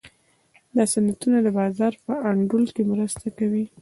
دا صنعتونه د بازار په انډول کې مرسته کوي.